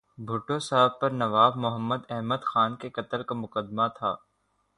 بھٹو صاحب پر نواب محمد احمد خان کے قتل کا مقدمہ تھا۔